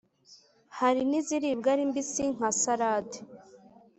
hari n’iziribwa ari mbisi nka sarade.